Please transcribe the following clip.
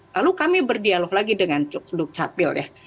lalu kami berdialog lagi dengan dukcapil ya